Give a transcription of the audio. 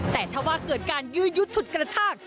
แต่ถ้าว่าเกิดการยื้อยุดฉุดกระชาก